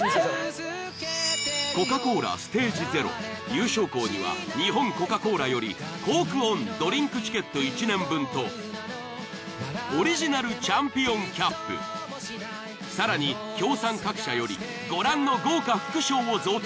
Ｃｏｃａ−ＣｏｌａＳＴＡＧＥ：０優勝校には日本コカ・コーラよりＣｏｋｅＯＮドリンクチケット１年分とオリジナルチャンピオンキャップ更に協賛各社よりご覧の豪華副賞を贈呈。